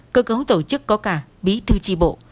cơ cấu tổ chức có cả bí thư tri bộ